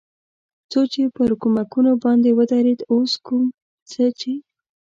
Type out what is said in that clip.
څو چې پر کومکونو باندې ودرېد، اوس کوم څه چې.